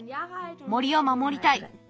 森を守りたい。